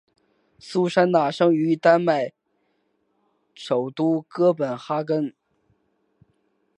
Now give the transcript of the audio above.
苏珊娜生于丹麦首都哥本哈根。